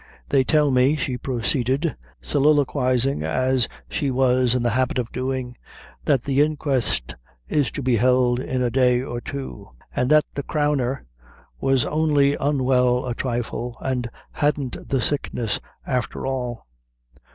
They tell me," she proceeded, soliloquizing, as she was in the habit of doing, "that the inquest is to be held in a day or two, an' that the crowner was only unwell a trifle, and hadn't the sickness afther all.